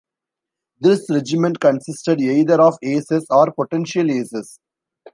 This regiment consisted either of aces or potential aces.